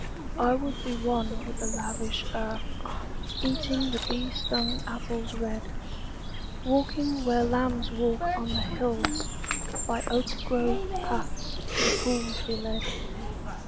I would be one with the lavish earth, Eating the bee stung apples red: Walking where lambs walk on the hills; By oak grove paths to the pools be led.